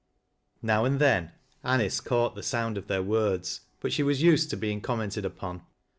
Now and then Anice caught the sound of their words, but she was used to being commented upon.